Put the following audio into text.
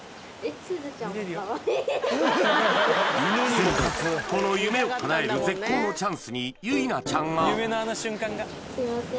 するとこの夢を叶える絶好のチャンスに結唯奈ちゃんがすいません